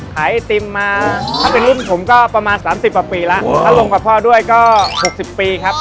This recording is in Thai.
ขายไอติมมาถ้าเป็นรุ่นผมก็ประมาณสามสิบประปีแล้วถ้าลงกับพ่อด้วยก็หกสิบปีครับ